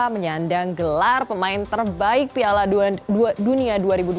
menyandang gelar pemain terbaik piala dunia dua ribu dua puluh